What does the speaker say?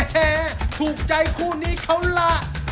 ถูกใจคู่นี้เขาล่ะ